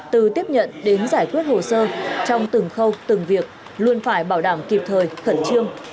từ tiếp nhận đến giải quyết hồ sơ trong từng khâu từng việc luôn phải bảo đảm kịp thời khẩn trương